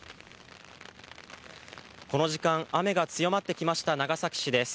この時間雨が強まってきました長崎市です。